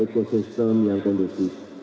ekosistem yang kondusif